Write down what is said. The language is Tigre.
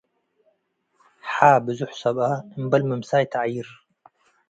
ሐ ብዞሕ ሰብአ እምበል ምምሳይ ተዐይር።